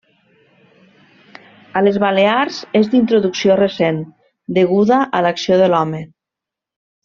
A les Balears és d'introducció recent, deguda a l'acció de l'home.